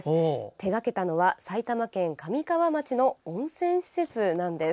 手掛けたのは、埼玉県神川町の温泉施設なんです。